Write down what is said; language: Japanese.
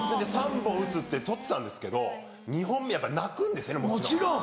３本打つって撮ってたんですけど２本目やっぱ泣くんですよねもちろん。